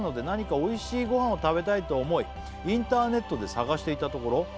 「何かおいしいご飯を食べたいと思い」「インターネットで探していたところ」